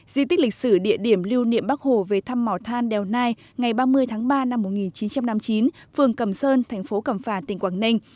di tích lịch sử địa điểm lưu niệm bắc hồ về thăm mỏ than đèo nai ngày ba mươi tháng ba năm một nghìn chín trăm năm mươi chín phường cẩm sơn thành phố cẩm phà tỉnh quảng ninh